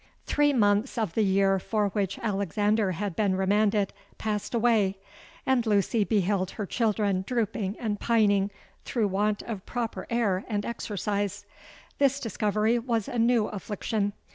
"Three mouths of the year for which Alexander had been remanded, passed away; and Lucy beheld her children drooping and pining through want of proper air and exercise. This discovery was a new affliction.